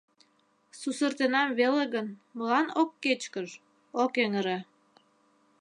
Сусыртенам веле гын, молан ок кечкыж, ок эҥыре?..